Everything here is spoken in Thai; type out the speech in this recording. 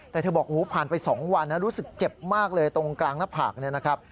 แต่เธอบอกผ่านไป๒วันรู้สึกเจ็บมากเลยตรงกลางหน้าผากเนี่ยนะครับ